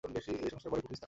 এ সংসার বড়ই কঠিন স্থান।